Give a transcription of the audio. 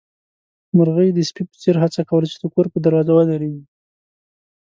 مرغۍ د سپي په څېر هڅه کوله چې د کور پر دروازه ودرېږي.